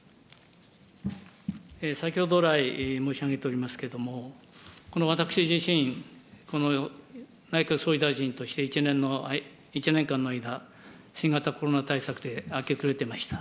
先ほど来申し上げておりますけれども、この私自身、この内閣総理大臣として１年間の間、新型コロナ対策で明け暮れていました。